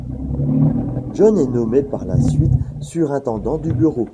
John est nommé par la suite surintendant du bureau.